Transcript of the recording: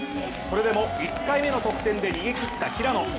それでも１回目の得点で逃げ切った平野。